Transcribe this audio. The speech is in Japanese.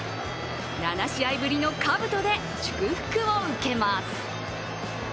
７試合ぶりのかぶとで祝福を受けます。